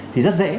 thì rất dễ